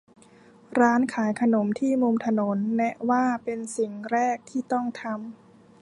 ร้านขายขนมที่มุมถนน แนะว่าเป็นสิ่งแรกที่ต้องทำ